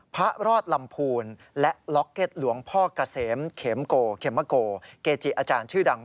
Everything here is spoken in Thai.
พระรอดลำพูลและล็อเกตหลวงพ่อกเกะเซมเคมโกคเกมโมโกเกจีย์อาจารย์ชื่อดัง